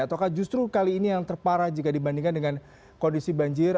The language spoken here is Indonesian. ataukah justru kali ini yang terparah jika dibandingkan dengan kondisi banjir